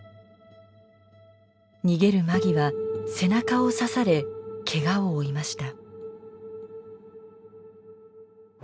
逃げる間際背中を刺されけがを負いました。